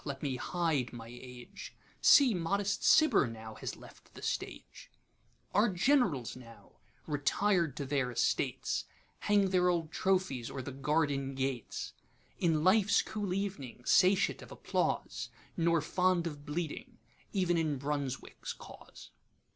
let me hide my Age:See modest Cibber now has left the Stage:Our gen'rals now, retired to their estates, Hang their old trophies o'er the garden gates; In life's cool ev'ning satiate of applause, Nor fond of bleeding ev'n in BRUNSWICK'S cause.